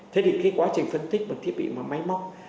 thế thì quá trình phân tích bằng thiết bị bằng máy móc